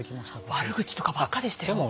悪口とかばっかりでしたよ。